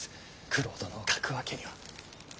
九郎殿を欠くわけには。